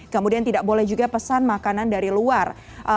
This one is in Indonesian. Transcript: kemudian tidak boleh juga pesan makanan dari luar